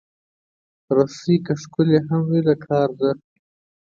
رسۍ که ښکلې هم وي، د کار ده.